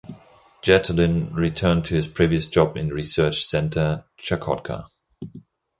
Yetylin returned to his previous job in research centre "Chukotka".